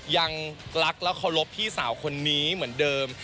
ยังรักและเคารพพี่สาวคนนี้เหมือนเดิม